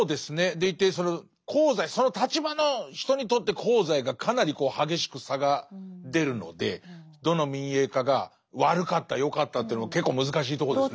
でいてその立場の人にとって功罪がかなり激しく差が出るのでどの民営化が悪かった良かったというのは結構難しいとこですね。